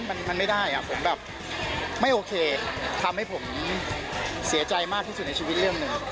มันไม่ได้อ่ะผมแบบไม่โอเคทำให้ผมเสียใจมากที่สุดในชีวิตเรื่องหนึ่ง